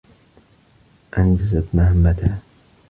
أنجزت مهمتها.